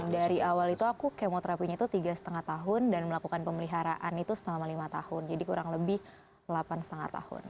dari awal itu aku kemoterapinya itu tiga lima tahun dan melakukan pemeliharaan itu selama lima tahun jadi kurang lebih delapan lima tahun